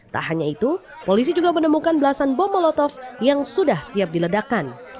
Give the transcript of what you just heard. tak hanya itu polisi juga menemukan belasan bom molotov yang sudah siap diledakkan